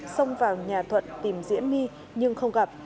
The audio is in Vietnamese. xông vào nhà thuận tìm diễm my nhưng không gặp